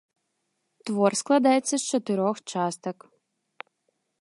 Твор складаецца з чатырох частак.